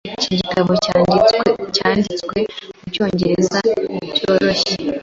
Iki gitabo cyanditswe mucyongereza cyoroshye.